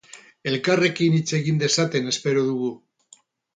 Elkarrekin hitz egin dezaten espero dugu.